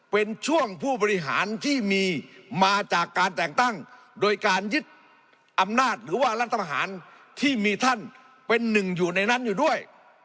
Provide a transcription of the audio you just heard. เป็นช่วงผู้บริหารที่มีมาจากการแต่งตั้งโดยการยึดอำนาจหรือว่ารัฐประหารที่มีท่านเป็นหนึ่งอยู่ในนั้นอยู่ด้วย